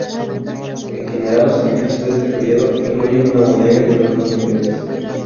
En general, los edificios de este período incluyen una bodega y otros dos niveles.